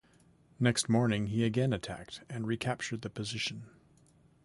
Next morning he again attacked and recaptured the position.